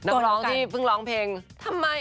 นักร้องที่เพิ่งร้องเพลงทำไม